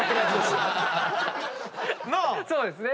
そうですね。